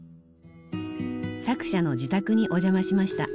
作者の自宅にお邪魔しました。